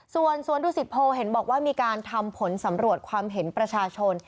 ส่วนสวนดุสิตโพเห็นบอกว่ามีการทำผลสำรวจความเห็นประชาชน